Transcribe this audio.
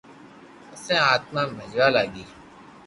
پسي آٽتما بجوا لاگي